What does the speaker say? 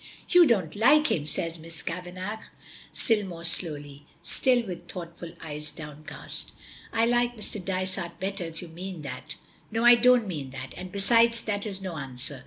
"You don't like him," says Miss Kavanagh, still more slowly, still with thoughtful eyes downcast. "I like Mr. Dysart better if you mean that." "No, I don't mean that. And, besides, that is no answer."